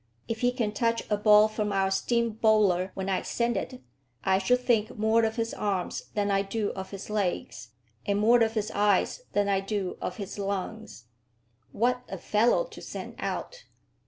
If he can touch a ball from our steam bowler when I send it, I shall think more of his arms than I do of his legs, and more of his eyes than I do of his lungs. What a fellow to send out!